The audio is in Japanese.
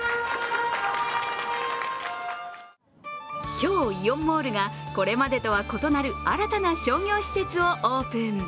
今日、イオンモールが、これまでとは異なる新たな商業施設をオープン。